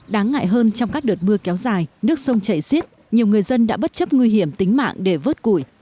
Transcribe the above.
đáng ngại hơn trong các đợt mưa kéo dài nước sông chảy xiết nhiều người dân đã bất chấp nguy hiểm tính mạng để vớt củi